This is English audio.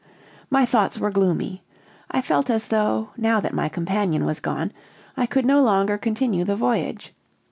"My thoughts were gloomy. I felt as though, now that my companion was gone, I could no longer continue the voyage.